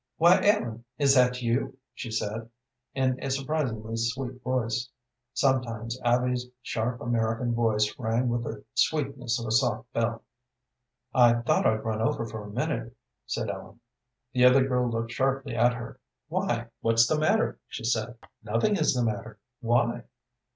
"Why, Ellen, is that you?" she said, in a surprisingly sweet voice. Sometimes Abby's sharp American voice rang with the sweetness of a soft bell. "I thought I'd run over a minute," said Ellen. The other girl looked sharply at her. "Why, what's the matter?" she said. "Nothing is the matter. Why?"